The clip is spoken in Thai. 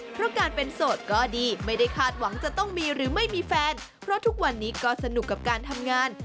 เพราะการเป็นโสดก็ดีไม่ได้คาดหวังจะต้องมีหรือไม่มีแฟนเพราะทุกวันนี้ก็สนุกกับการทำงาน